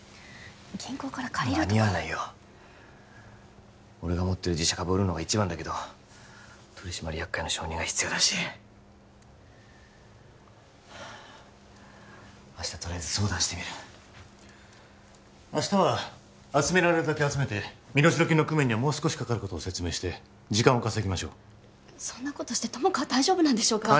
銀行から借りるとか間に合わないよ俺が持ってる自社株を売るのが一番だけど取締役会の承認が必要だし明日とりあえず相談してみる明日は集められるだけ集めて身代金の工面にはもう少しかかることを説明して時間を稼ぎましょうそんなことして友果は大丈夫なんでしょうか？